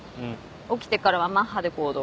起きてからはマッハで行動。